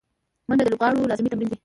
منډه د لوبغاړو لازمي تمرین دی